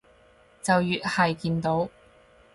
就越係見到